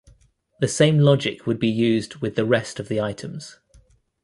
The same logic would be used with the rest of the items.